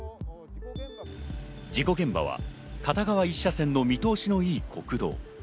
事故現場は片側１車線の見通しのいい国道。